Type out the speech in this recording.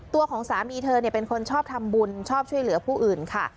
ตัวของสามีเธอเป็นคนชอบทำบุญชอบช่วยเหลือผู้อื่นค่ะ